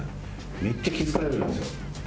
めっちゃ気付かれたんですよ。